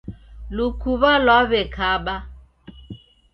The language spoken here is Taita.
Lukuw'a lwaw'ekaba.